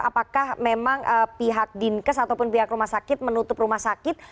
apakah memang pihak dinkes ataupun pihak rumah sakit menutup rumah sakit